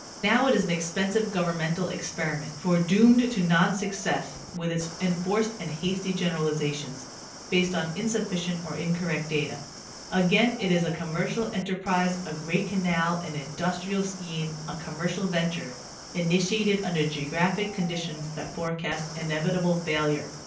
Now it is an expensive governmental experiment, foredoomed to non success with its enforced and hasty generalizations, based on insufficient or incorrect data; again it is a commercial enter prise, a great canal, an industrial scheme, a commercial venture, initiated under geographic conditions that forecast inevitable failure.